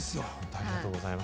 ありがとうございます。